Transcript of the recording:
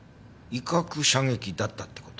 威嚇射撃だったって事？